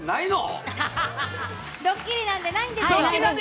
ドッキリなんで、ないんです。